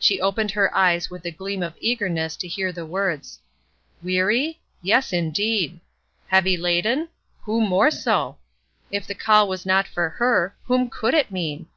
She opened her eyes with a gleam of eagerness to hear the words. "Weary?"' Yes, indeed! "Heavy laden?" Who more so? If the call was not for her, whom could it mean?